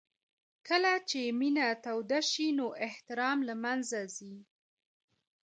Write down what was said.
کله چې مینه توده شي نو احترام له منځه ځي.